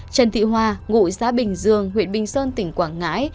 trần thị hoa ngụ xã bình dương huyện bình sơn tỉnh quảng ngãi